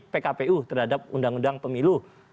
pkpu terhadap undang undang pemilu